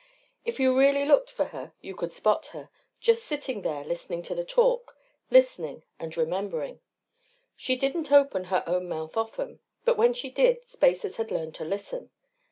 If you really looked for her you could spot her just sitting there listening to the talk listening and remembering. She didn't open her own mouth often. But when she did spacers had learned to listen.